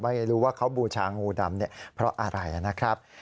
ไม่รู้ว่าเขาบูชางูดำเนี่ยเพราะอะไรนะครับ